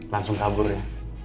langsung kabur ya